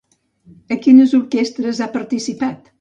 A quines orquestres ha participat?